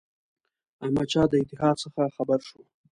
احمدشاه د اتحاد څخه خبر شو.